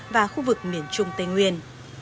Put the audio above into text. và khu vực miền trung tây nguyên